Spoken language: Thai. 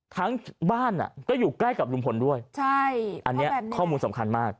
ทั้งบ้านก็อยู่ใกล้กับลุงพลด้วยใช่อันนี้ข้อมูลสำคัญมาก